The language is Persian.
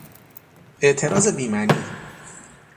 اعتراض بیمعنی